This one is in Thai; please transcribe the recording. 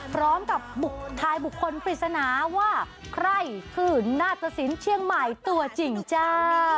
พร้อมกับทายบุคคลปริศนาว่าใครคือนาตสินเชียงใหม่ตัวจริงจ้า